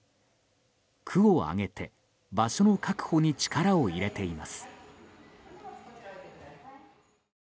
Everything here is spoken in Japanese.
区を挙げて、場所の確保に力を入れています。